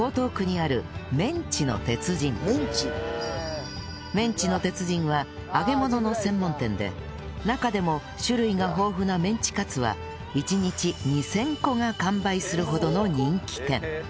まずはメンチの鉄人は揚げ物の専門店で中でも種類が豊富なメンチカツは１日２０００個が完売するほどの人気店